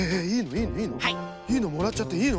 いいの？もらっちゃっていいの？